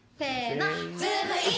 ズームイン！！